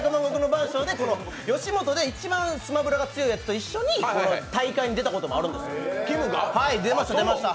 吉本で一番「スマブラ」が強いやつと一緒に大会に出たことがあるんです。